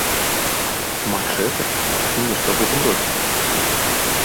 Мачэтэ ці нешта ў гэтым родзе?